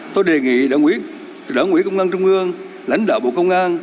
tôi đề nghị đảng quỹ công an trung ương lãnh đạo bộ công an